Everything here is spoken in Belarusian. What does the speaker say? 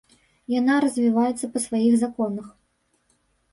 Яна развіваецца па сваіх законах.